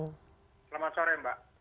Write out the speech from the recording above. selamat sore mbak